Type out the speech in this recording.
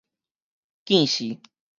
鯁死